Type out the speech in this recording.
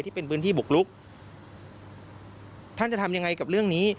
ที่เป็นพื้นที่บุกลุกท่านจะทำยังไงกับเรื่องนี้